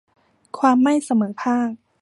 ความไม่เสมอภาค